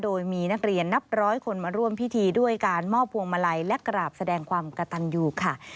โดยมีนักเรียนนับร้อยคนมาร่วมพิธีด้วยการมอบพวงมาลัยและกราบแสดงความกระตันอยู่ค่ะ